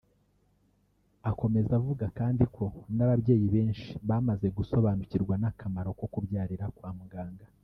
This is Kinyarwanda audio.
Akomeza avuga kandi ko n’ababyeyi benshi bamaze gusobanukirwa n’akamaro ko kubyarira kwa muganga